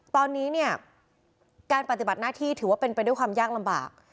ตอนนี้เนี่ยการปฏิบัติหน้าที่ถือว่าเป็นไปด้วยความยากลำบาก